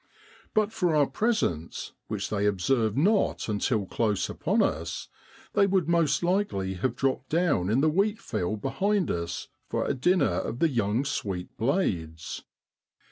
But for our presence, which they observe not until close upon us, they would most likely have dropped down in the wheat field behind us for a dinner of the young sweet blades.